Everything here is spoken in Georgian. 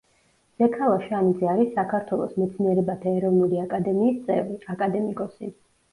მზექალა შანიძე არის საქართველოს მეცნიერებათა ეროვნული აკადემიის წევრი, აკადემიკოსი.